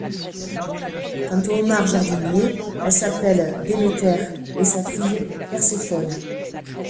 Quant au homard-jardinier, elle s'appelle Déméter et sa fille Perséphone.